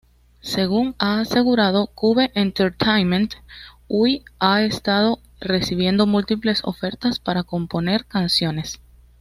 Según ha asegurado Cube Entertainment, Hui ha estado recibiendo múltiples ofertas para componer canciones.